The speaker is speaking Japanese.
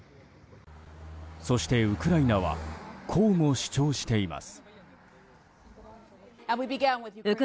そして、ウクライナはこうも主張しています。